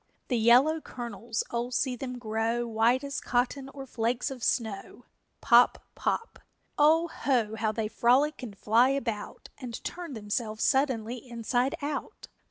_ The yellow kernels, oh, see them grow White as cotton or flakes of snow! Pop! Pop! O ho, how they frolic and fly about And turn themselves suddenly inside out!